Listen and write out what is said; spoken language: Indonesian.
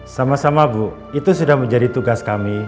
sama sama bu itu sudah menjadi tugas kami